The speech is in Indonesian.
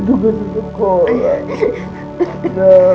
maafin gak salah